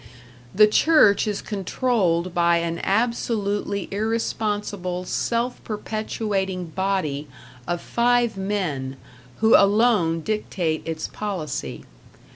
The Church is controlled by an absolutely irresponsible self perpetuating body of five men, who alone dictate its policy.